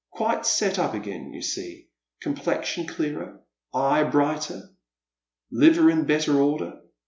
"Quite set up again, you see, complexion clearer, eye brighter, liver in better order.